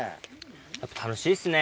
やっぱ楽しいですね。